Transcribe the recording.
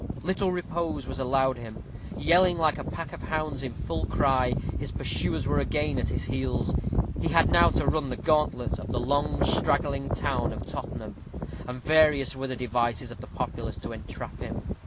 Little repose was allowed him. Yelling like a pack of hounds in full cry, his pursuers were again at his heels. He had now to run the gauntlet of the long straggling town of Tottenham, and various were the devices of the populace to entrap him.